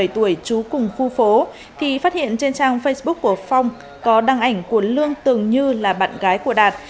một mươi bảy tuổi trú cùng khu phố thì phát hiện trên trang facebook của phong có đăng ảnh của lương từng như là bạn gái của đạt